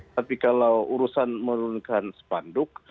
tapi kalau urusan menurunkan spanduk